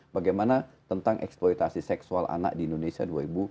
bagaimana tentang eksploitasi seksual anak di indonesia dua ribu dua puluh